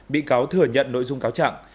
bị cáo thừa nhận nội dung cáo trạng